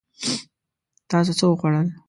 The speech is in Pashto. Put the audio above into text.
تاسو څه وخوړل؟